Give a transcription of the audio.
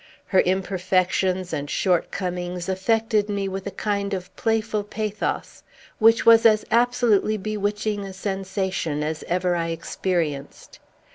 Her imperfections and shortcomings affected me with a kind of playful pathos, which was as absolutely bewitching a sensation as ever I experienced.